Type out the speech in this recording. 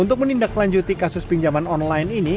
untuk menindak lanjuti kasus pinjaman online ini